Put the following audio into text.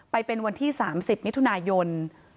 ไปเป็นวันที่๓๐นิทุนายน๒๕๖๒